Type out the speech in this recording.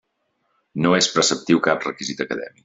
No és preceptiu cap requisit acadèmic.